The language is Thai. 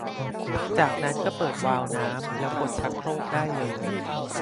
จากนั้นก็เปิดวาล์วน้ำแล้วกดชักโครกได้เลย